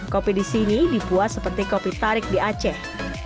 kopi di sini dibuat seperti kopi tarik di aceh